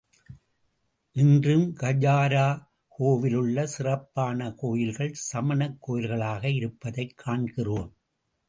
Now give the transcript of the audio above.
இன்றும் கஜுராஹோவில் உள்ள சிறப்பான கோயில்கள் சமணக் கோயில்களாக இருப் பதைக் காண்கிறோம்.